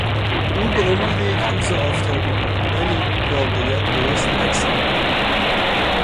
او به امید یک روز آفتابی بود ولی واقعیت درست عکس آن بود.